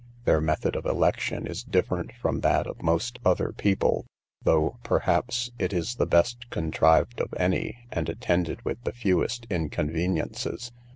Their method of election is different from that of most other people, though, perhaps, it is the best contrived of any, and attended with the fewest inconveniences.